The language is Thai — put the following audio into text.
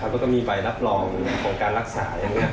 ก็ต้องมีใบรับรองของการรักษาอย่างนี้